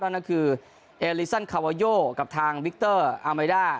นั่นก็คือเอลิซันคาวาโยกับทางวิกเตอร์อาเมด้า